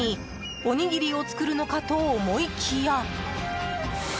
おにぎりを作るのかと思いきや。